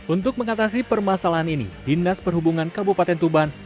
untuk mengatasi permasalahan ini dinas perhubungan kabupaten tuban